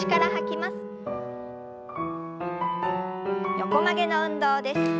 横曲げの運動です。